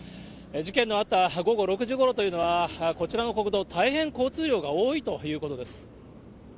事件のあった午後６時ごろというのは、こちらの国道、大変交通量が多いということです。